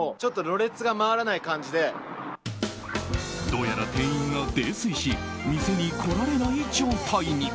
どうやら店員が泥酔し店に来られない状態に。